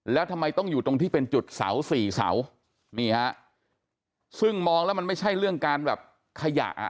แล้วทำไมต้องอยู่ตรงที่เป็นจุดเสาสี่เสานี่ฮะซึ่งมองแล้วมันไม่ใช่เรื่องการแบบขยะอ่ะ